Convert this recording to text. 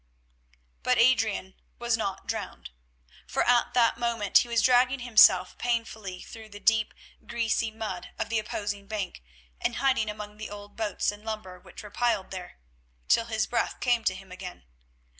But Adrian was not drowned, for at that moment he was dragging himself painfully through the deep, greasy mud of the opposing bank and hiding among the old boats and lumber which were piled there, till his breath came to him again.